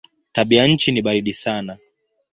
Tabianchi ni baridi sana.